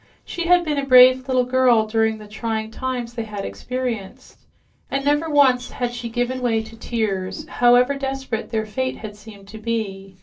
She had been a brave little girl during the trying times they had experienced and never once had she given way to tears, however desperate their fate had seemed to be.